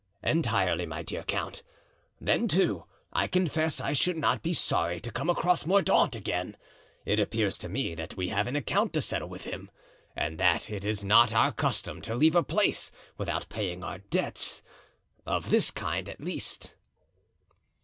"Entirely, my dear count. Then, too, I confess I should not be sorry to come across Mordaunt again. It appears to me that we have an account to settle with him, and that it is not our custom to leave a place without paying our debts, of this kind, at least."